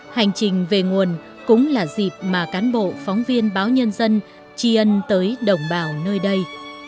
hành trình về nguồn cũng là dịp mà cán bộ phóng viên báo nhân dân tri ân tới đồng bào nơi đây